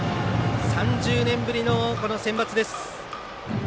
３０年ぶりのセンバツです。